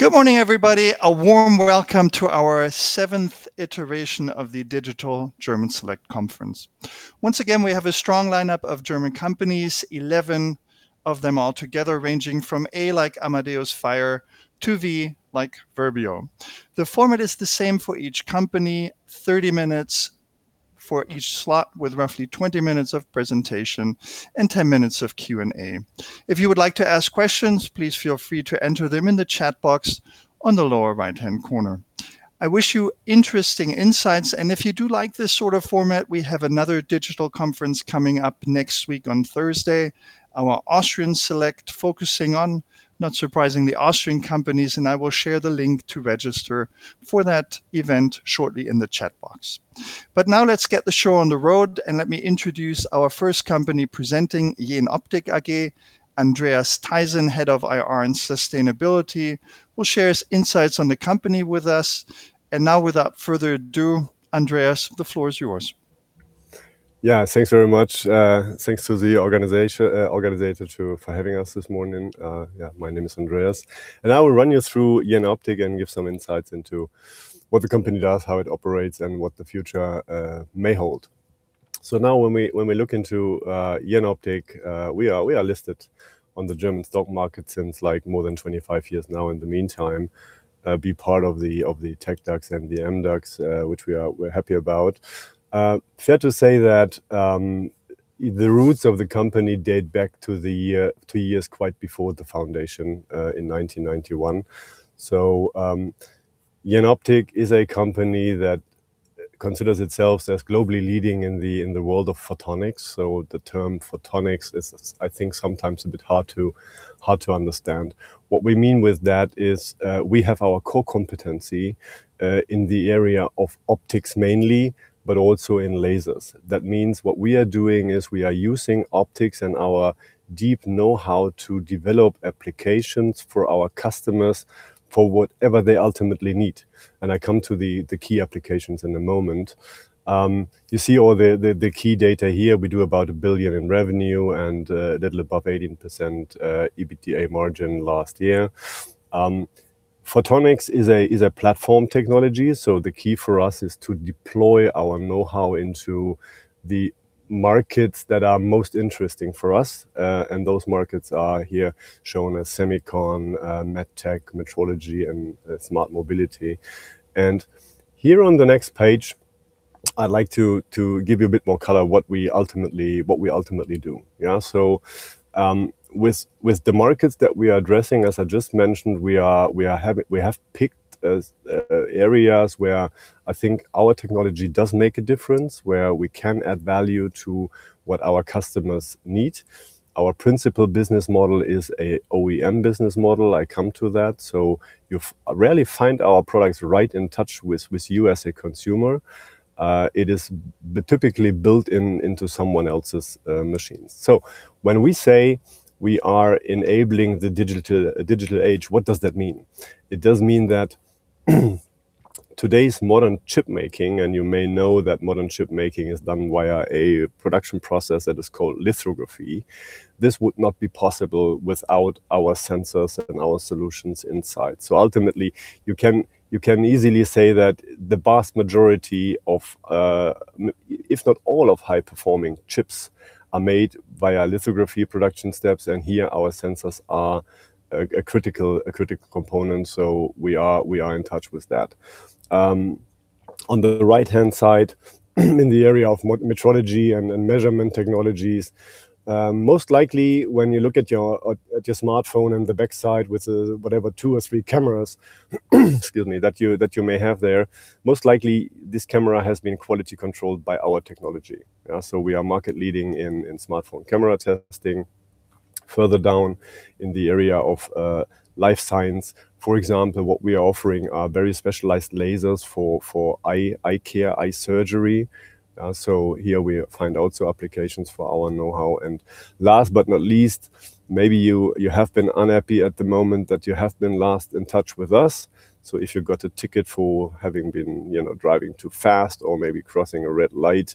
Good morning, everybody. A warm welcome to our seventh iteration of the digital German Select Conference. Once again, we have a strong lineup of German companies, 11 of them altogether, ranging from A, like Amadeus FiRe, to V, like Verbio. The format is the same for each company, 30 minutes for each slot, with roughly 20 minutes of presentation and 10 minutes of Q&A. If you would like to ask questions, please feel free to enter them in the chat box on the lower right-hand corner. I wish you interesting insights. If you do like this sort of format, we have another digital conference coming up next week on Thursday, our Austrian Select, focusing on, not surprisingly, Austrian companies. I will share the link to register for that event shortly in the chat box. Now let's get the show on the road, and let me introduce our first company presenting, JENOPTIK AG. Andreas Theisen, Head of IR and Sustainability, will share his insights on the company with us. Now, without further ado, Andreas, the floor is yours. Yeah, thanks very much. Thanks to the organizers too for having us this morning. Yeah, my name is Andreas, and I will run you through Jenoptik and give some insights into what the company does, how it operates, and what the future may hold. Now when we look into Jenoptik, we are listed on the German stock market since more than 25 years now in the meantime, be part of the TecDAX and the MDAX, which we're happy about. Fair to say that the roots of the company date back to the years quite before the foundation in 1991. Jenoptik is a company that considers itself as globally leading in the world of photonics. The term photonics is, I think, sometimes a bit hard to understand. What we mean with that is we have our core competency in the area of optics mainly, but also in lasers. That means what we are doing is we are using optics and our deep know-how to develop applications for our customers for whatever they ultimately need, and I come to the key applications in a moment. You see all the key data here. We do about a billion in revenue and a little above 18% EBITDA margin last year. Photonics is a platform technology, so the key for us is to deploy our know-how into the markets that are most interesting for us. And those markets are here shown as semicon, medtech, metrology, and smart mobility. And here on the next page, I'd like to give you a bit more color what we ultimately do. Yeah, with the markets that we are addressing, as I just mentioned, we have picked areas where I think our technology does make a difference, where we can add value to what our customers need. Our principal business model is a OEM business model. I come to that. You rarely find our products right in touch with you as a consumer. It is typically built into someone else's machines. When we say we are enabling the digital age, what does that mean? It does mean that today's modern chip making, and you may know that modern chip making is done via a production process that is called lithography. This would not be possible without our sensors and our solutions inside. Ultimately, you can easily say that the vast majority of, if not all of high-performing chips, are made via lithography production steps, and here our sensors are a critical component. We are in touch with that. On the right-hand side, in the area of metrology and measurement technologies, most likely, when you look at your smartphone and the backside with whatever two or three cameras, excuse me, that you may have there, most likely this camera has been quality controlled by our technology. Yeah, we are market leading in smartphone camera testing. Further down in the area of life science, for example, what we are offering are very specialized lasers for eye care, eye surgery. Here we find also applications for our know-how. Last but not least, maybe you have been unhappy at the moment that you have been last in touch with us. If you got a ticket for having been driving too fast or maybe crossing a red light,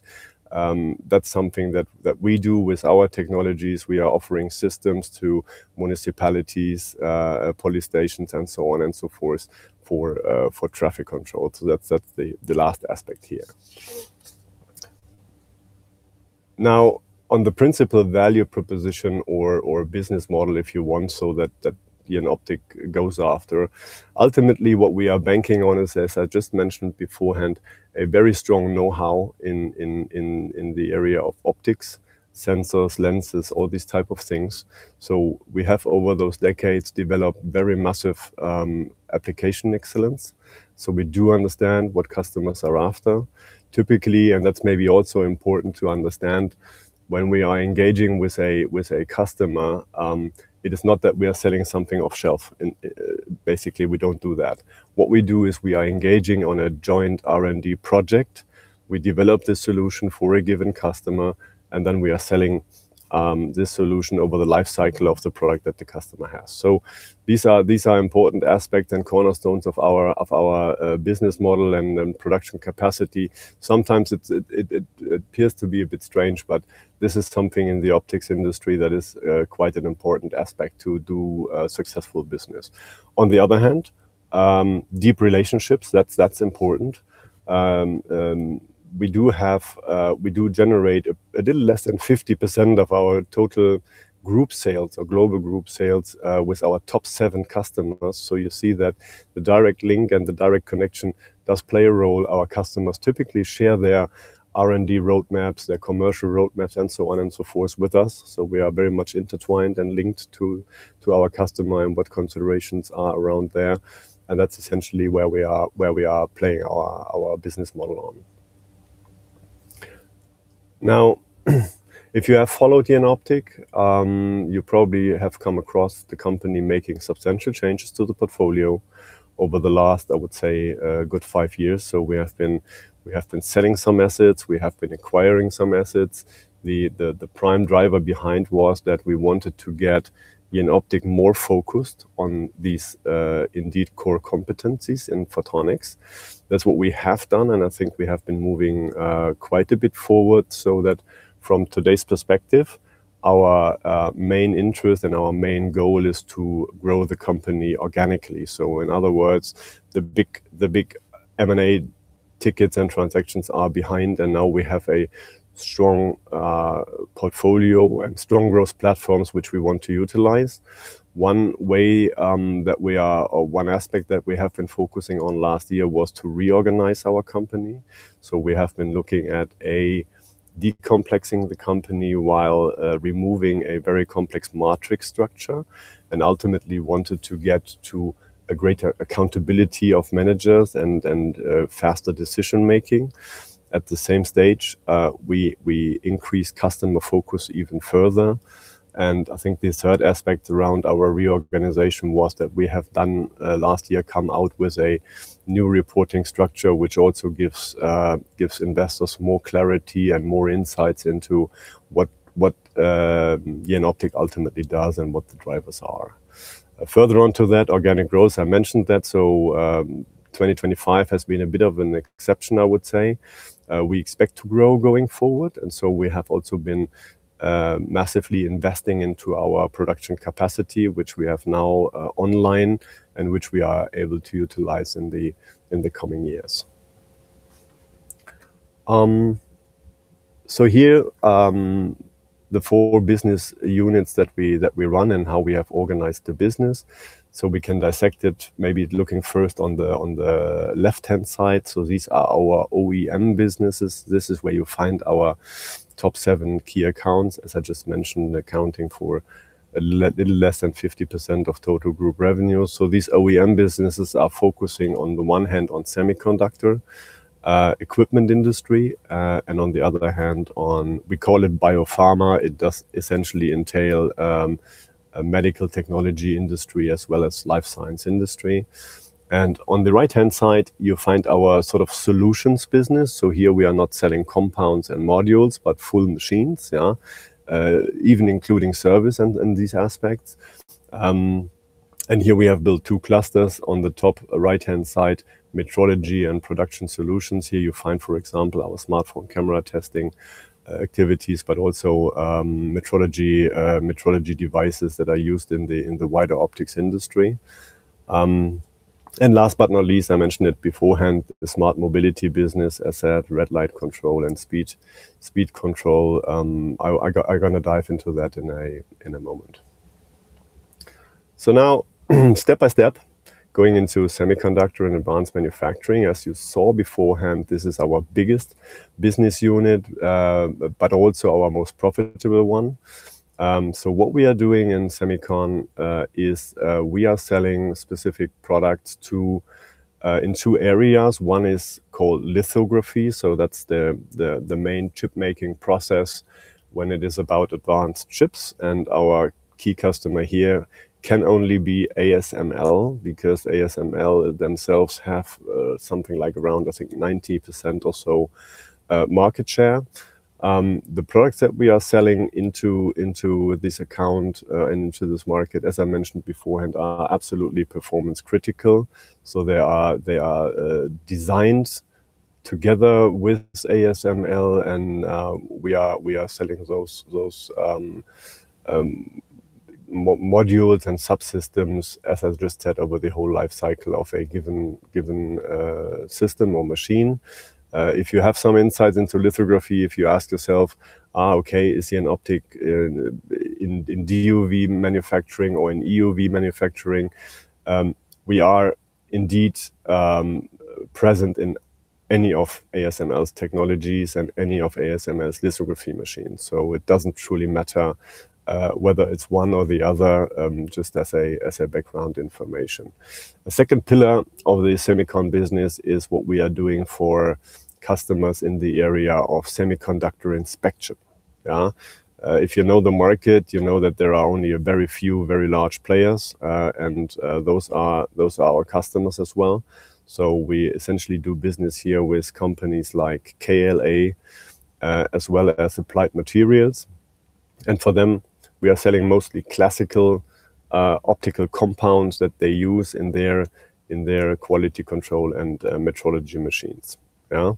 that's something that we do with our technologies. We are offering systems to municipalities, police stations, and so on and so forth, for traffic control. That's the last aspect here. Now, on the principal value proposition or business model, if you want, that Jenoptik goes after, ultimately what we are banking on is, as I just mentioned beforehand, a very strong know-how in the area of optics, sensors, lenses, all these type of things. We have, over those decades, developed very massive application excellence. We do understand what customers are after. Typically, and that's maybe also important to understand, when we are engaging with a customer, it is not that we are selling something off-shelf. Basically, we don't do that. What we do is we are engaging on a joint R&D project. We develop the solution for a given customer, and then we are selling this solution over the life cycle of the product that the customer has. These are important aspects and cornerstones of our business model and production capacity. Sometimes it appears to be a bit strange, but this is something in the optics industry that is quite an important aspect to do successful business. On the other hand, deep relationships, that's important. We do generate a little less than 50% of our total group sales or global group sales with our top seven customers. You see that the direct link and the direct connection does play a role. Our customers typically share their R&D roadmaps, their commercial roadmaps, and so on and so forth with us. We are very much intertwined and linked to our customer and what considerations are around there. That's essentially where we are playing our business model on. Now, if you have followed Jenoptik, you probably have come across the company making substantial changes to the portfolio over the last, I would say, good five years. We have been selling some assets. We have been acquiring some assets. The prime driver behind was that we wanted to get Jenoptik more focused on these indeed core competencies in photonics. That's what we have done, and I think we have been moving quite a bit forward, so that from today's perspective, our main interest and our main goal is to grow the company organically. In other words, the big M&A tickets and transactions are behind, and now we have a strong portfolio and strong growth platforms which we want to utilize. One aspect that we have been focusing on last year was to reorganize our company. We have been looking at a de-complexing the company while removing a very complex matrix structure, and ultimately wanted to get to a greater accountability of managers and faster decision-making. At the same stage, we increased customer focus even further. I think the third aspect around our reorganization was that we have done last year come out with a new reporting structure, which also gives investors more clarity and more insights into what Jenoptik ultimately does and what the drivers are. Further on to that organic growth, I mentioned that. 2025 has been a bit of an exception, I would say. We expect to grow going forward, and so we have also been massively investing into our production capacity, which we have now online and which we are able to utilize in the coming years. Here, the four business units that we run and how we have organized the business. We can dissect it, maybe looking first on the left-hand side. These are our OEM businesses. This is where you find our top seven key accounts, as I just mentioned, accounting for a little less than 50% of total group revenue. These OEM businesses are focusing on the one hand on semiconductor equipment industry, and on the other hand, on we call it biopharma. It does essentially entail a medical technology industry as well as life science industry. On the right-hand side, you find our sort of solutions business. Here we are not selling compounds and modules, but full machines, even including service and these aspects. Here we have built two clusters on the top right-hand side, Metrology & Production Solutions. Here you find, for example, our smartphone camera testing activities, but also metrology devices that are used in the wider optics industry. Last but not least, I mentioned it beforehand, the smart mobility business asset, red light control, and speed control. I'm going to dive into that in a moment. Now step by step, going into Semiconductor & Advanced Manufacturing. As you saw beforehand, this is our biggest business unit, but also our most profitable one. What we are doing in semicon is we are selling specific products in two areas. One is called lithography, so that's the main chip-making process when it is about advanced chips. Our key customer here can only be ASML, because ASML themselves have something like around, I think, 90% or so market share. The products that we are selling into this account, into this market, as I mentioned beforehand, are absolutely performance critical. They are designed together with ASML, and we are selling those modules and subsystems, as I just said, over the whole life cycle of a given system or machine. If you have some insights into lithography, if you ask yourself, "Okay, is Jenoptik in DUV manufacturing or in EUV manufacturing?" We are indeed present in any of ASML's technologies and any of ASML's lithography machines. It doesn't truly matter whether it's one or the other, just as a background information. The second pillar of the semicon business is what we are doing for customers in the area of semiconductor inspection. If you know the market, you know that there are only a very few, very large players, and those are our customers as well. We essentially do business here with companies like KLA, as well as Applied Materials. For them, we are selling mostly classical optical compounds that they use in their quality control and metrology machines. Yeah,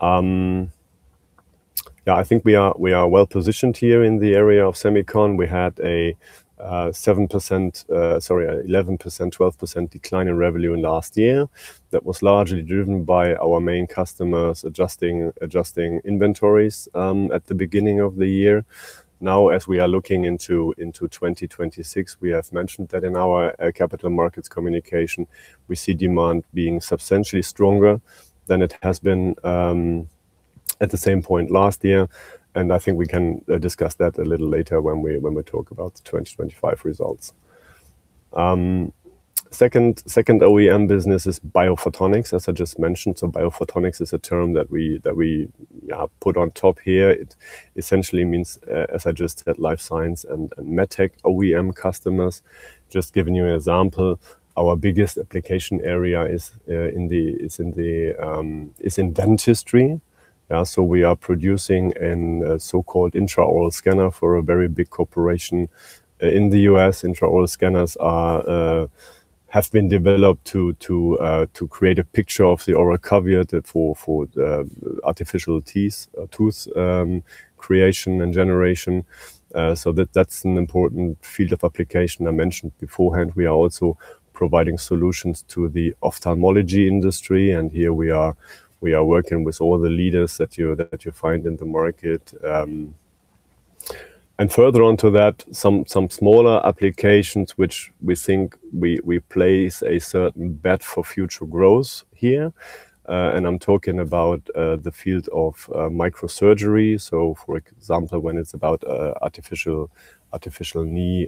I think we are well-positioned here in the area of semicon. We had an 11%-12% decline in revenue last year that was largely driven by our main customers adjusting inventories at the beginning of the year. Now, as we are looking into 2026, we have mentioned that in our capital markets communication, we see demand being substantially stronger than it has been at the same point last year, and I think we can discuss that a little later when we talk about the 2025 results. Second OEM business is Biophotonics, as I just mentioned. Biophotonics is a term that we put on top here. It essentially means, as I just said, life science and medtech OEM customers. Just giving you an example, our biggest application area is in dentistry. We are producing a so-called intraoral scanner for a very big corporation in the U.S. Intraoral scanners have been developed to create a picture of the oral cavity for the artificial tooth creation and generation. That's an important field of application. I mentioned beforehand, we are also providing solutions to the ophthalmology industry, and here we are working with all the leaders that you find in the market. Further on to that, some smaller applications which we think we place a certain bet for future growth here, and I'm talking about the field of microsurgery. For example, when it's about artificial knee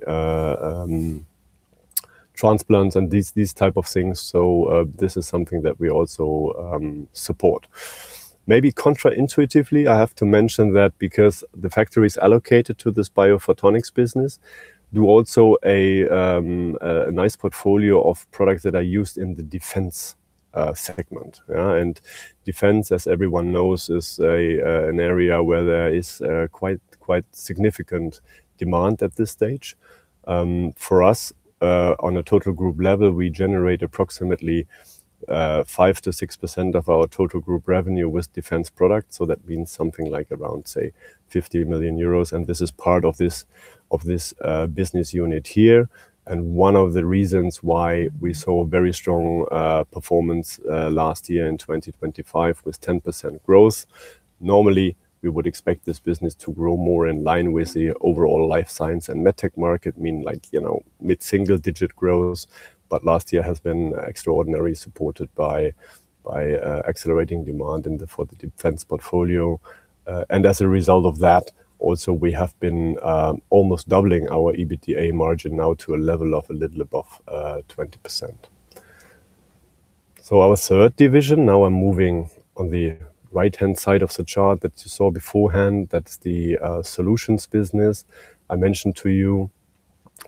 transplants and these type of things. This is something that we also support. Maybe counterintuitively, I have to mention that because the factories allocated to this Biophotonics business do also a nice portfolio of products that are used in the defense segment. Defense, as everyone knows, is an area where there is quite significant demand at this stage. For us, on a total group level, we generate approximately 5%-6% of our total group revenue with defense products. That means something like around, say, 50 million euros, and this is part of this business unit here. One of the reasons why we saw a very strong performance last year in 2025 with 10% growth. Normally, we would expect this business to grow more in line with the overall life science and medtech market, mean like mid-single-digit growth. Last year has been extraordinarily supported by accelerating demand for the defense portfolio. As a result of that, also we have been almost doubling our EBITDA margin now to a level of a little above 20%. Our third division, now I'm moving on the right-hand side of the chart that you saw beforehand. That's the solutions business I mentioned to you.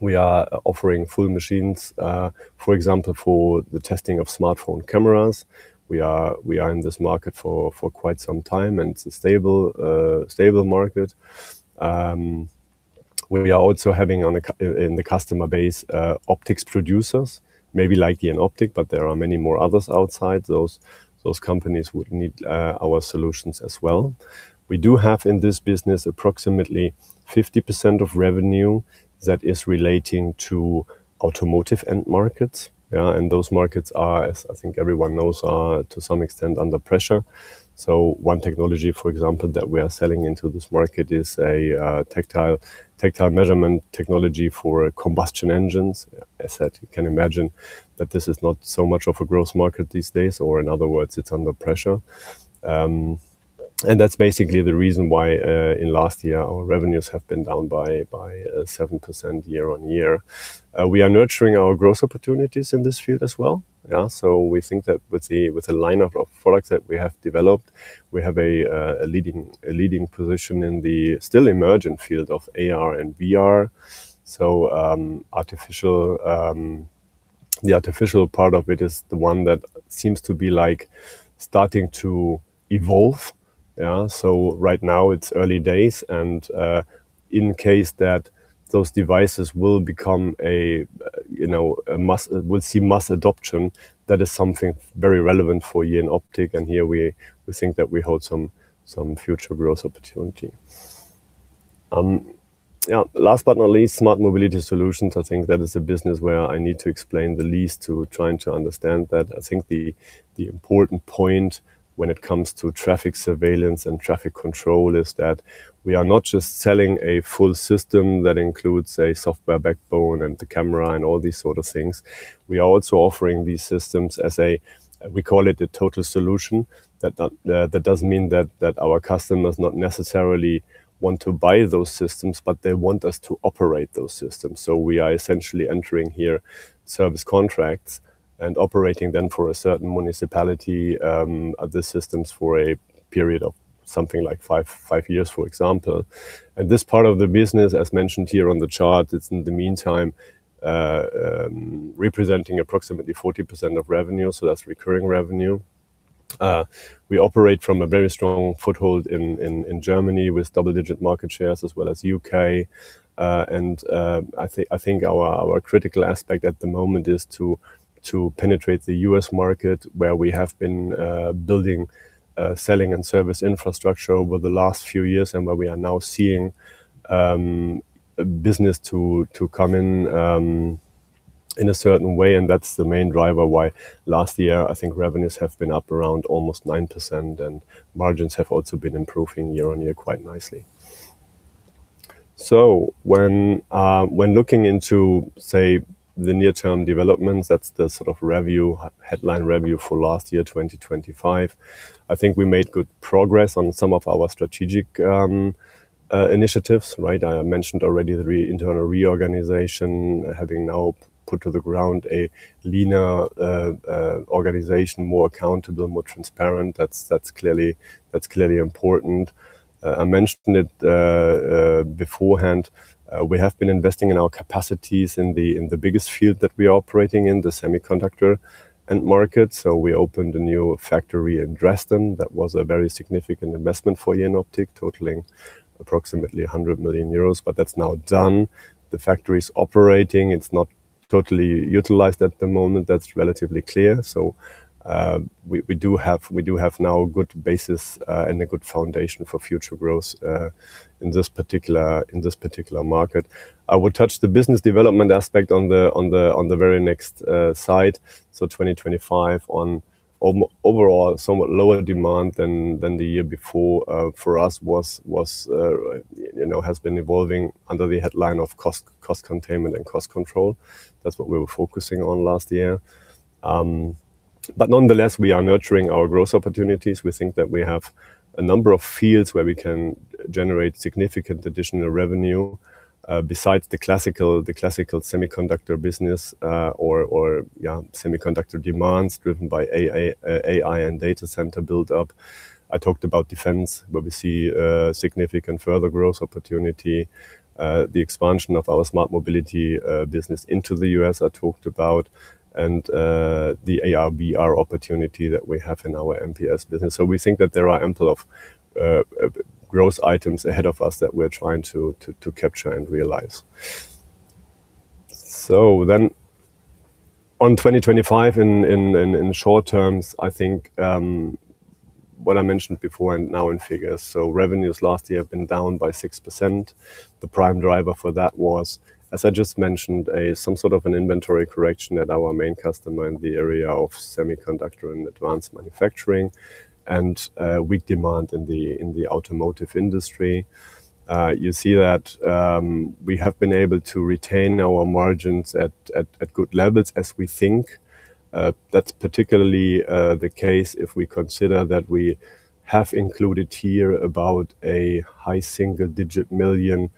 We are offering full machines, for example, for the testing of smartphone cameras. We are in this market for quite some time, and it's a stable market. We are also having in the customer base optics producers, maybe like Jenoptik, but there are many more others outside those companies who need our solutions as well. We do have in this business approximately 50% of revenue that is relating to automotive end markets. Those markets are, as I think everyone knows, are to some extent under pressure. One technology, for example, that we are selling into this market is a tactile measurement technology for combustion engines. As you can imagine that this is not so much of a growth market these days or, in other words, it's under pressure. That's basically the reason why in last year our revenues have been down by 7% year-on-year. We are nurturing our growth opportunities in this field as well. Yeah, we think that with the lineup of products that we have developed, we have a leading position in the still emerging field of AR and VR. The artificial part of it is the one that seems to be starting to evolve. Yeah, right now it's early days and, in case that those devices will see mass adoption, that is something very relevant for Jenoptik and here we think that we hold some future growth opportunity. Yeah. Last but not least, Smart Mobility Solutions. I think that is a business where I need to explain the least to trying to understand that. I think the important point when it comes to traffic surveillance and traffic control is that we are not just selling a full system that includes a software backbone and the camera and all these sort of things. We are also offering these systems as a, we call it a total solution. That doesn't mean that our customers not necessarily want to buy those systems, but they want us to operate those systems. We are essentially entering here service contracts and operating them for a certain municipality, the systems for a period of something like five years, for example. This part of the business, as mentioned here on the chart, it's in the meantime representing approximately 40% of revenue, so that's recurring revenue. We operate from a very strong foothold in Germany with double-digit market shares as well as U.K. I think our critical aspect at the moment is to penetrate the U.S. market where we have been building, selling, and service infrastructure over the last few years and where we are now seeing a business to come in in a certain way, and that's the main driver why last year, I think revenues have been up around almost 9%, and margins have also been improving year-on-year quite nicely. When looking into, say, the near-term developments, that's the sort of headline review for last year, 2025. I think we made good progress on some of our strategic initiatives. I mentioned already the internal reorganization, having now put to the ground a leaner organization, more accountable, more transparent. That's clearly important. I mentioned it beforehand. We have been investing in our capacities in the biggest field that we are operating in, the semiconductor end market. We opened a new factory in Dresden. That was a very significant investment for Jenoptik, totaling approximately 100 million euros. That's now done. The factory's operating. It's not totally utilized at the moment. That's relatively clear. We do have now a good basis and a good foundation for future growth in this particular market. I will touch the business development aspect on the very next slide. 2025 on overall, somewhat lower demand than the year before, for us has been evolving under the headline of cost containment and cost control. That's what we were focusing on last year. Nonetheless, we are nurturing our growth opportunities. We think that we have a number of fields where we can generate significant additional revenue, besides the classical semiconductor business, or semiconductor demands driven by AI and data center buildup. I talked about defense, where we see a significant further growth opportunity. The expansion of our Smart Mobility business into the U.S., I talked about, and the AR/VR opportunity that we have in our MPS business. We think that there are ample of growth items ahead of us that we're trying to capture and realize. On 2025, in short terms, I think what I mentioned before and now in figures. Revenues last year have been down by 6%. The prime driver for that was, as I just mentioned, some sort of an inventory correction at our main customer in the area of Semiconductor & Advanced Manufacturing and weak demand in the automotive industry. You see that we have been able to retain our margins at good levels as we think. That's particularly the case if we consider that we have included here about a high single-digit million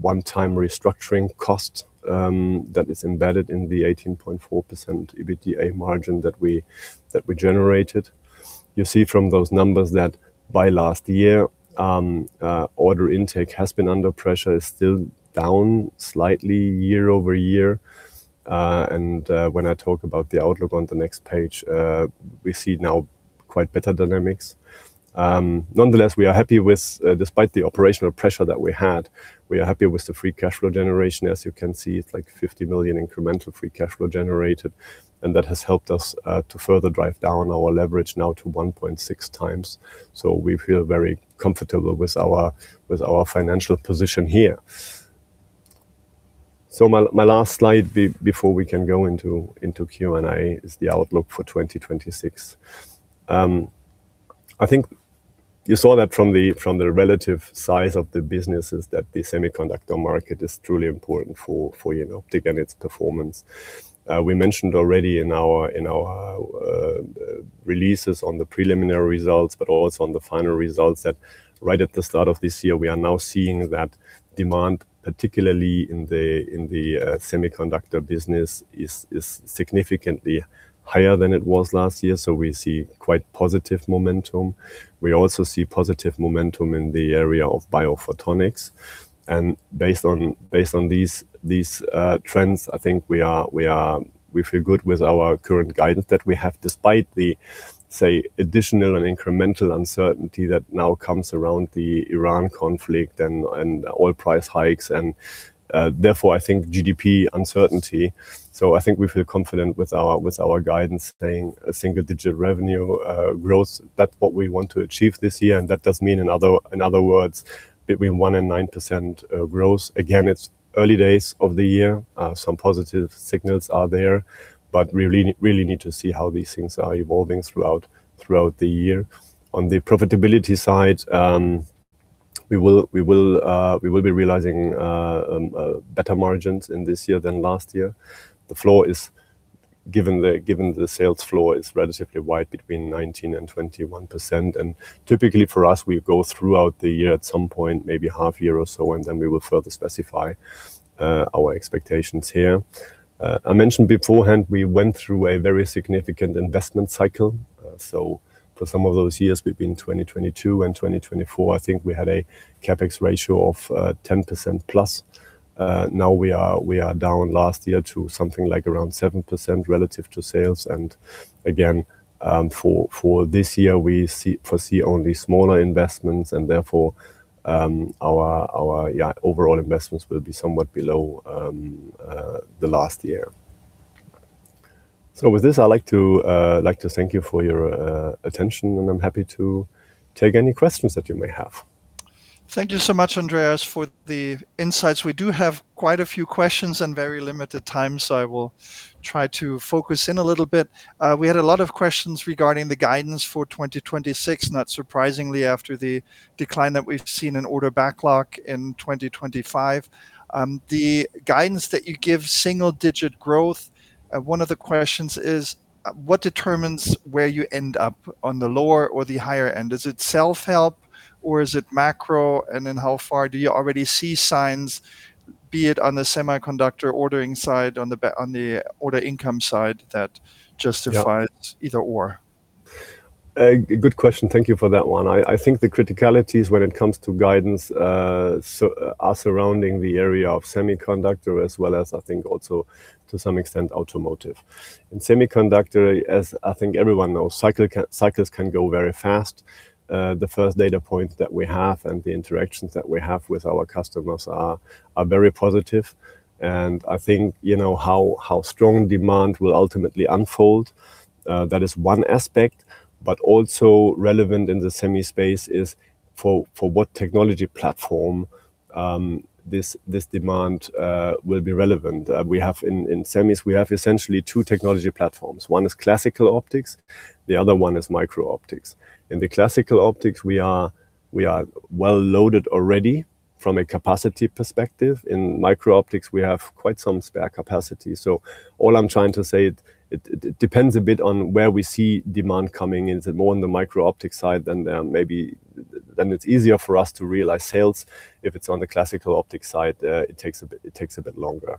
one-time restructuring cost that is embedded in the 18.4% EBITDA margin that we generated. You see from those numbers that by last year, order intake has been under pressure. It's still down slightly year-over-year. When I talk about the outlook on the next page, we see now quite better dynamics. Nonetheless, despite the operational pressure that we had, we are happy with the free cash flow generation. As you can see, it's like 50 million incremental free cash flow generated, and that has helped us to further drive down our leverage now to 1.6x. We feel very comfortable with our financial position here. My last slide before we can go into Q&A is the outlook for 2026. I think you saw that from the relative size of the businesses that the semiconductor market is truly important for Jenoptik and its performance. We mentioned already in our releases on the preliminary results, but also on the final results, that right at the start of this year, we are now seeing that demand, particularly in the semiconductor business, is significantly higher than it was last year. We see quite positive momentum. We also see positive momentum in the area of biophotonics. And based on these trends, I think we feel good with our current guidance that we have, despite the, say, additional and incremental uncertainty that now comes around the Iran conflict and oil price hikes and therefore, I think GDP uncertainty. So I think we feel confident with our guidance staying a single-digit revenue growth. That's what we want to achieve this year. And that does mean, in other words, between 1% and 9% growth. Again, it's early days of the year. Some positive signals are there, but we really need to see how these things are evolving throughout the year. On the profitability side, we will be realizing better margins in this year than last year. Given the sales floor is relatively wide, between 19% and 21%. Typically for us, we go throughout the year at some point, maybe half year or so, and then we will further specify our expectations here. I mentioned beforehand we went through a very significant investment cycle. For some of those years between 2022 and 2024, I think we had a CapEx ratio of 10%+. Now we are down last year to something like around 7% relative to sales. Again, for this year, we foresee only smaller investments and therefore our overall investments will be somewhat below the last year. With this, I'd like to thank you for your attention, and I'm happy to take any questions that you may have. Thank you so much, Andreas, for the insights. We do have quite a few questions and very limited time, so I will try to focus in a little bit. We had a lot of questions regarding the guidance for 2026, not surprisingly, after the decline that we've seen in order backlog in 2025. The guidance that you give, single-digit growth, one of the questions is what determines where you end up on the lower or the higher end? Is it self-help or is it macro? In how far do you already see signs, be it on the semiconductor ordering side, on the order intake side that justifies either/or? A good question. Thank you for that one. I think the criticalities when it comes to guidance are surrounding the area of semiconductor as well as I think also, to some extent, automotive. In semiconductor, as I think everyone knows, cycles can go very fast. The first data point that we have and the interactions that we have with our customers are very positive. I think how strong demand will ultimately unfold, that is one aspect, but also relevant in the semi space is for what technology platform this demand will be relevant. In semis, we have essentially two technology platforms. One is classical optics, the other one is micro-optics. In the classical optics, we are well loaded already from a capacity perspective. In micro-optics, we have quite some spare capacity. All I'm trying to say, it depends a bit on where we see demand coming. Is it more on the micro-optics side? It's easier for us to realize sales. If it's on the classical optics side, it takes a bit longer.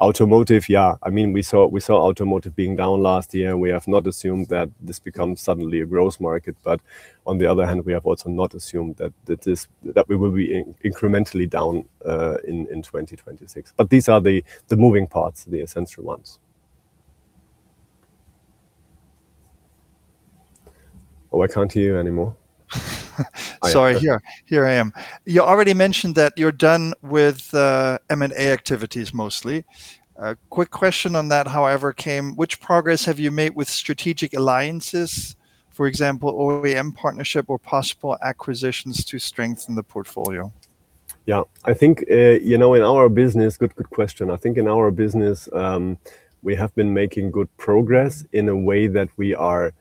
Automotive, yeah. We saw automotive being down last year. We have not assumed that this becomes suddenly a growth market, but on the other hand, we have also not assumed that we will be incrementally down in 2026. These are the moving parts, the essential ones. Oh, I can't hear you anymore. Sorry. Here I am. You already mentioned that you're done with M&A activities mostly. A quick question on that, however, came. Which progress have you made with strategic alliances, for example, OEM partnership or possible acquisitions to strengthen the portfolio? Yeah. Good question. I think in our business, we have been making good progress in a way that we are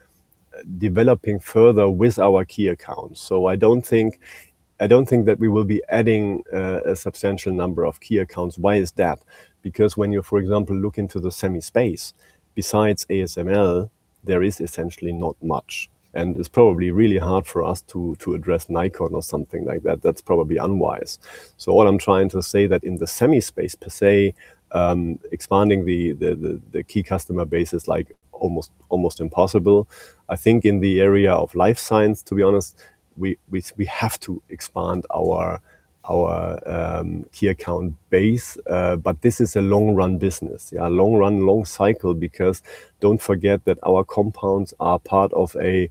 developing further with our key accounts. I don't think that we will be adding a substantial number of key accounts. Why is that? Because when you, for example, look into the semi space, besides ASML, there is essentially not much, and it's probably really hard for us to address Nikon or something like that. That's probably unwise. All I'm trying to say that in the semi space, per se, expanding the key customer base is almost impossible. I think in the area of life science, to be honest, we have to expand our key account base. This is a long-run business. Yeah, long-run, long-cycle, because don't forget that our components are part of a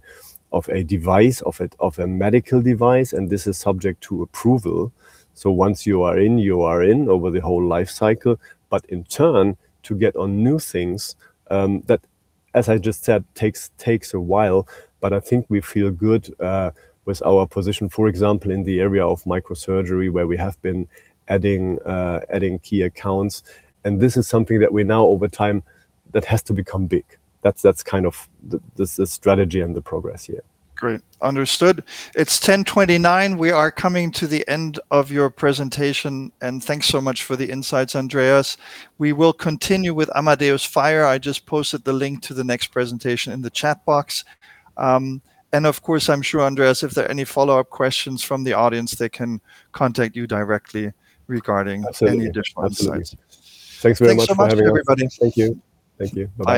medical device, and this is subject to approval. Once you are in, you are in over the whole life cycle, but in turn, to get on new things, that, as I just said, takes a while. I think we feel good with our position. For example, in the area of microsurgery where we have been adding key accounts, and this is something, over time, that has to become big. That's kind of the strategy and the progress, yeah. Great. Understood. It's 10:29 A.M. We are coming to the end of your presentation, and thanks so much for the insights, Andreas. We will continue with Amadeus FiRe. I just posted the link to the next presentation in the chat box. Of course, I'm sure, Andreas, if there are any follow-up questions from the audience, they can contact you directly regarding. Absolutely any additional insights. Thanks very much for having me. Thanks so much, everybody. Thank you. Bye-bye.